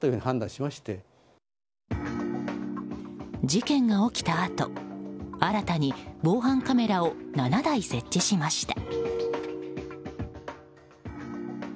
事件が起きたあと、新たに防犯カメラを７台設置しました。